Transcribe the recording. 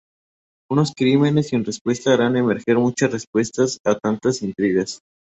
Unos crímenes sin respuesta harán emerger muchas respuestas a tantas intrigas.